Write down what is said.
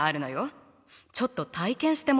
ちょっと体験してもらおうかしら。